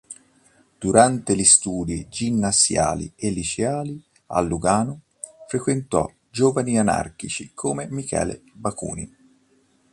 Durante gli studi ginnasiali e liceali a Lugano, frequentò giovani anarchici come Michele Bakunin.